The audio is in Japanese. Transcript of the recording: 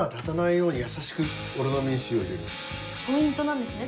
ポイントなんですね